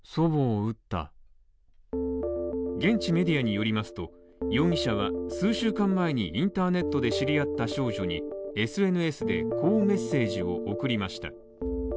現地メディアによりますと、容疑者は数週間前にインターネットで知り合った少女にＳＮＳでこうメッセージを送りました。